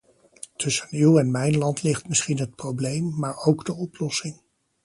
Tussen uw en mijn land ligt misschien het probleem, maar ook de oplossing.